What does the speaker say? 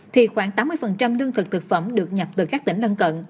thì khoảng tám mươi lương thực thực phẩm được nhập từ các tỉnh lân cận